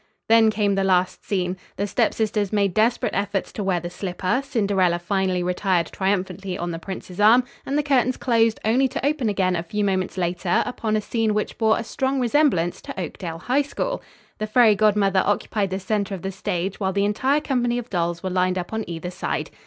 Then came the last scene. The step sisters made desperate efforts to wear the slipper; Cinderella finally retired triumphantly on the prince's arm, and the curtains closed only to open again a few moments later upon a scene which bore a strong resemblance to Oakdale High School. The fairy godmother occupied the center of the stage while the entire company of dolls were lined up on either side.